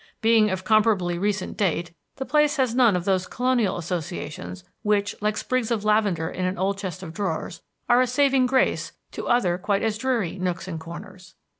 Being of comparatively recent date, the place has none of those colonial associations which, like sprigs of lavender in an old chest of drawers, are a saving grace to other quite as dreary nooks and corners.